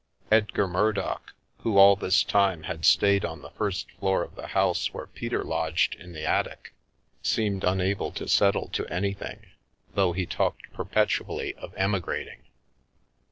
Edgar Murdock, who all this time had stayed on the first floor of the house where Peter lodged in the attic, seemed unable to settle to anything, though he talked perpetually of emigrating.